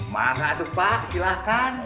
mana tuh pak silahkan